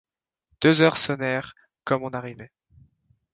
Deux heures sonnèrent, comme on arrivait.